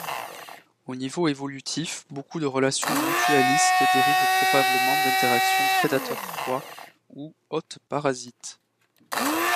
Au niveau évolutif, beaucoup de relations mutualistes dérivent probablement d’interactions prédateur-proie ou hôte-parasite.